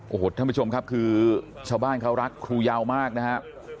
โอ้โหท่านผู้ชมครับคือชาวบ้านเขารักครูยาวมากนะฮะ